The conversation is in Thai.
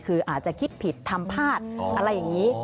คืออาจจะคิดผิดทำพลาดอะไรอย่างนี้